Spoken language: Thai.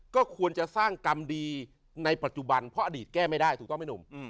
ก็ควรจะสร้างกรรมดีในปัจจุบันเพราะอดีตแก้ไม่ได้ถูกต้องไหมหนุ่ม